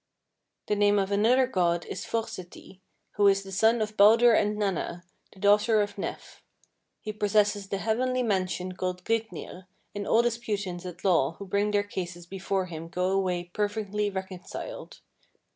33. "The name of another god is Forseti, who is the son of Baldur and Nanna, the daughter of Nef. He possesses the heavenly mansion called Glitnir, and all disputants at law who bring their cases before him go away perfectly reconciled.